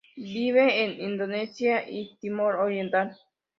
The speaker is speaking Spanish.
Vive en Indonesia y Timor Oriental.